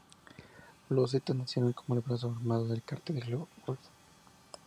Los Zetas nacieron como el brazo armado del cártel del Golfo.